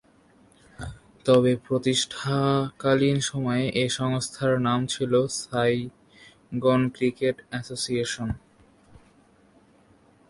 তবে প্রতিষ্ঠাকালীন সময়ে এ সংস্থার নাম ছিল সাইগন ক্রিকেট অ্যাসোসিয়েশন।